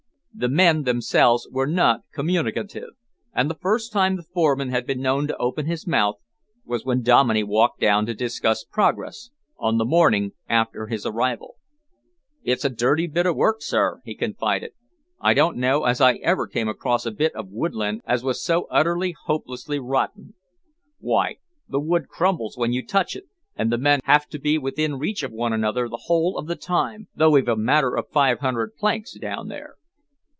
The men themselves were not communicative, and the first time the foreman had been known to open his mouth was when Dominey walked down to discuss progress, on the morning after his arrival. "It's a dirty bit of work, sir," he confided. "I don't know as I ever came across a bit of woodland as was so utterly, hopelessly rotten. Why, the wood crumbles when you touch it, and the men have to be within reach of one another the whole of the time, though we've a matter of five hundred planks down there."